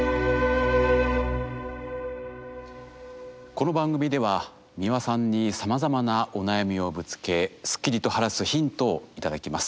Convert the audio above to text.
この番組では美輪さんにさまざまなお悩みをぶつけスッキリと晴らすヒントを頂きます。